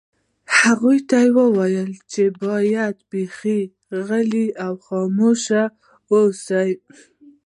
هغوی ته ووایه چې باید بیخي غلي او خاموشه واوسي